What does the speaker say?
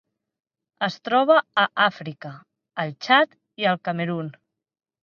Es troba a Àfrica: el Txad i el Camerun.